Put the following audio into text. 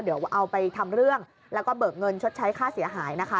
เดี๋ยวเอาไปทำเรื่องแล้วก็เบิกเงินชดใช้ค่าเสียหายนะคะ